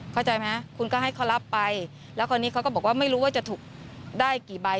เข้าใจไหมคุณก็ให้เขารับไปแล้วคราวนี้เขาก็บอกว่าไม่รู้ว่าจะถูกได้กี่ใบ